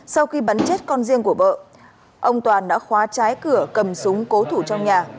sau khi bắn chết con riêng của vợ ông toàn đã khóa trái cửa cầm súng cố thủ trong nhà